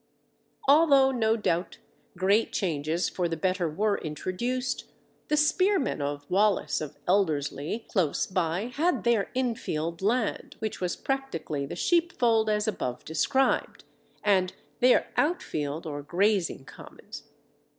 Although no doubt great changes for the better were introduced, the spearmen of Wallace of Elderslie close by had their "infield" land, which was practically the sheepfold as above described, and their "outfield" or grazing commons.